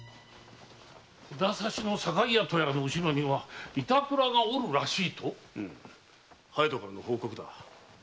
札差の堺屋の後ろには板倉がおるらしいと⁉隼人からの報告だ。